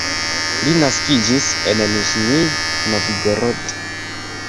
Li naskiĝis en Niĵnij Novgorod.